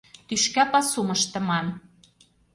Тӱшка пасум ыштыман